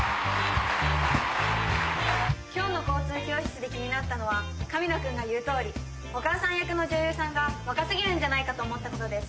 今日の交通教室で気になったのは神野くんが言うとおりお母さん役の女優さんが若すぎるんじゃないかと思った事です。